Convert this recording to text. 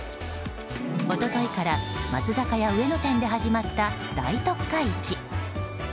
一昨日から松坂屋上野店で始まった大特価市。